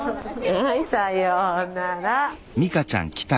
はいさようなら。